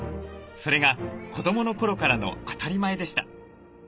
それが子どもの頃からの当たり前でした。